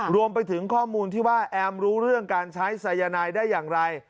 รวมไปถึงข้อมูลที่ว่าแอมรู้เรื่องการใช้สายนายได้อย่างไร